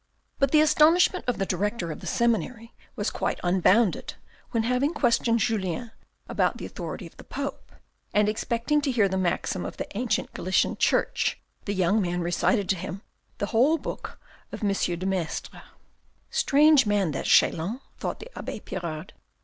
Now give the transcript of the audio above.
But the astonishment of the director of the seminary was quite unbounded when having questioned Julien about the 180 THE RED AND THE BLACK authority of the Pope, and expecting to hear the maxims of the ancient Gallican Church, the young man recited to him the whole book of M. de Maistre " Strange man, that Chelan," thought the abbe Pirard.